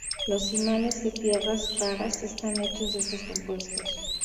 Los imanes de tierras raras están hechos de estos compuestos.